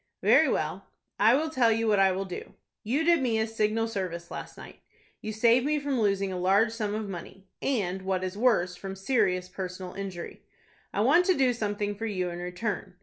"Very well, I will tell you what I will do. You did me a signal service last night. You saved me from losing a large sum of money, and, what is worse, from serious personal injury. I want to do some thing for you in return.